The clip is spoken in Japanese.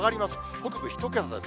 北部１桁です。